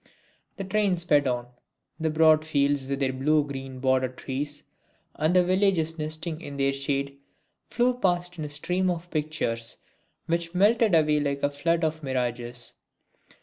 The train sped on; the broad fields with their blue green border trees, and the villages nestling in their shade flew past in a stream of pictures which melted away like a flood of mirages.